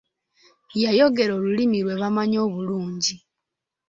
Yayogera olulimi lwe bamanyi obulungi.